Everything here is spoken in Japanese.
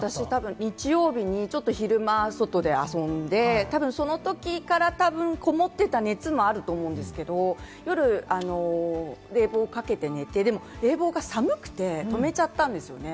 日曜日に昼間外で遊んで、多分そのときからこもっていた熱もあると思うんですけれども、夜、冷房をかけて寝て、でも冷房が寒くて止めちゃったんですよね。